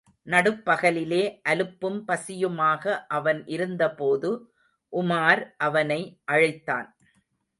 நடுப்பகலிலே, அலுப்பும் பசியுமாக அவன் இருந்தபோது உமார் அவனை அழைத்தான்.